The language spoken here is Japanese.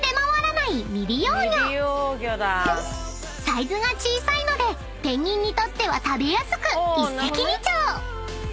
［サイズが小さいのでペンギンにとっては食べやすく一石二鳥］